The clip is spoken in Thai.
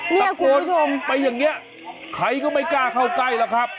ตะโกนไปอย่างนี้ใครก็ไม่กล้าเข้าใกล้แล้วครับ